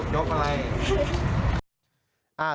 ลูกยกอะไร